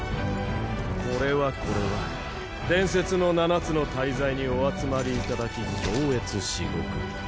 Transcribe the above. これはこれは伝説の七つの大罪にお集まりいただき恐悦至極。